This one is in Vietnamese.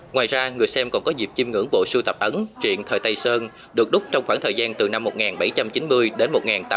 ngoài ra người xem còn có dịp chim ngưỡng bộ sưu tập ấn truyện thời tây sơn được đúc trong khoảng thời gian từ năm một nghìn bảy trăm chín mươi đến một nghìn tám trăm linh